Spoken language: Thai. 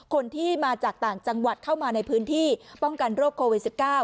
คนที่มาจากต่างจังหวัดเข้ามาในพื้นที่ป้องกันโรคโควิด๑๙